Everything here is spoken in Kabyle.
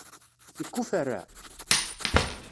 Yekuferra?